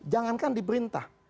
jangankan di perintah